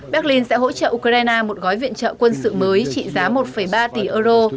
berlin sẽ hỗ trợ ukraine một gói viện trợ quân sự mới trị giá một ba tỷ euro